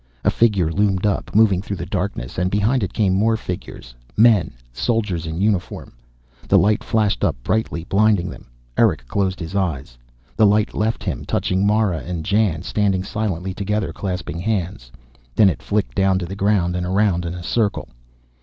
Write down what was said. A figure loomed up, moving through the darkness, and behind it came more figures, men, soldiers in uniform. The light flashed up brightly, blinding them. Erick closed his eyes. The light left him, touching Mara and Jan, standing silently together, clasping hands. Then it flicked down to the ground and around in a circle.